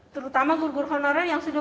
terutama guru guru honorer yang sudah